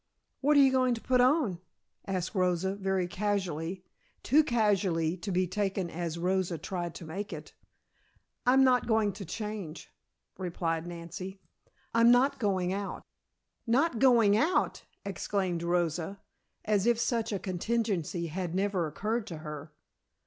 "What are you going to put on?" asked Rosa very casually, too casually to be taken as Rosa tried to make it. "I'm not going to change," replied Nancy. "I'm not going out." "Not going out!" exclaimed Rosa, as if such a contingency had never occurred to her.